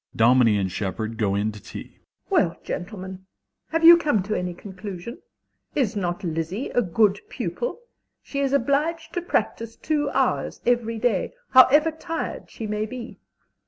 _) (Dominie and Shepard go in to tea.) MRS. S. Well, gentlemen, have you come to any conclusion? Is not Lizzie a good pupil? She is obliged to practise two hours every day, however tired she may be.